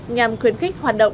nhằm khuyến khích hoạt động